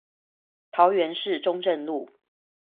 桃園市中正路